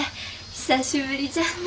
久しぶりじゃんね。